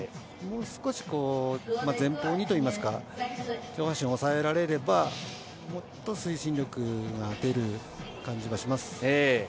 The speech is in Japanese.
もう少し前方にといいますか、上半身を抑えられればもっと推進力が出る感じがします。